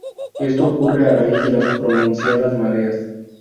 Esto ocurre a raíz de las pronunciadas mareas.